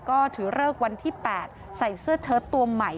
ก็ถือเลิกวันที่๘ใส่เสื้อเชิดตัวใหม่